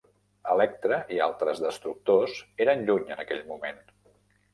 "Electra" i altres destructors eren lluny en aquell moment.